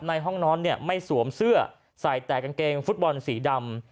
ห้องนอนไม่สวมเสื้อใส่แต่กางเกงฟุตบอลสีดำ